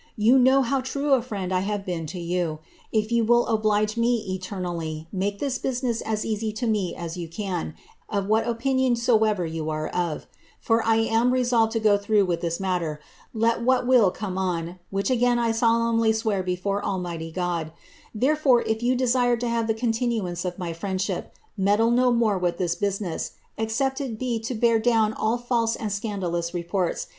You know how true a friend I have been to you ; oblige me eternally, make this business as easy to me as you can, of )n soever yoa are of; for I am resolved to go through with this mat .t will come on it, which again I solemnly swear before Almigfat/ fore, if you desire to liave the continuance of my (Hendship, meddle th this business, except it be to bear down all £ilse and scandalous